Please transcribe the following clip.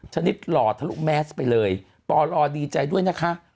ชนิดหล่อทะลุแมสไปเลยปลดีใจด้วยนะคะ